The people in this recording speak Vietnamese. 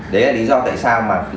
đấy là lý do tại sao